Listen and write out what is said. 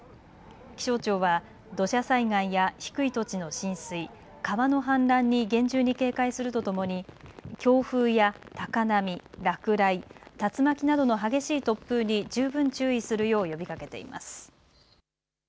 気象庁は土砂災害や低い土地の浸水川の氾濫に厳重に警戒するとともに強風や高波、落雷竜巻などの激しい突風に十分注意するよう呼びかけています。